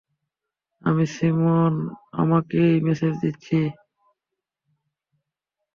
আমি সিমোন, আপনাকে এই মেসেজ দিচ্ছি।